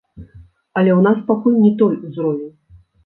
Але ў нас пакуль не той узровень.